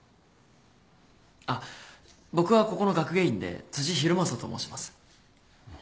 あっ僕はここの学芸員で辻浩増と申します。